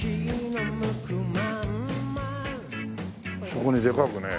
そこにでかくね。